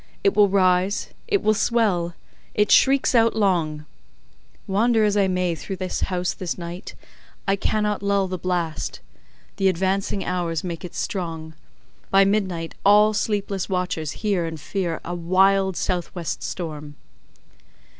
It will rise—it will swell—it shrieks out long: wander as I may through the house this night, I cannot lull the blast. The advancing hours make it strong: by midnight, all sleepless watchers hear and fear a wild south west storm.